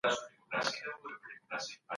په صحيحو احاديثو کي راځي.